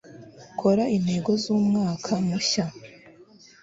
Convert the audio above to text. kora intego z'umwaka mushya